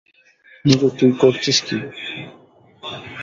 নীরু, তুই করছিস কী!